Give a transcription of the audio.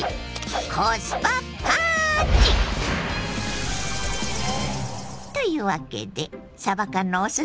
コスパ・パーンチ！というわけでさば缶のお裾分け。